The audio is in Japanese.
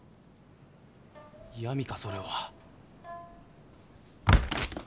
嫌みかそれは。